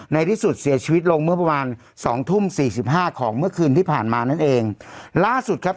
ในที่สุดเสียชีวิตลงเมื่อประมาณสองทุ่มสี่สิบห้าของเมื่อคืนที่ผ่านมานั่นเองล่าสุดครับ